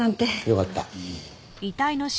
よかった。